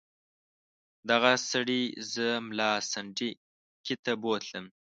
دغه سړي زه ملا سنډکي ته بوتلم.